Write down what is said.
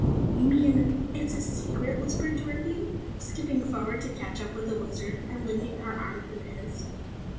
"You mean it's a secret?" whispered Dorothy, skipping forward to catch up with the Wizard and linking her arm through his.